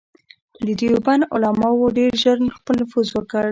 د دیوبند علماوو ډېر ژر خپل نفوذ وکړ.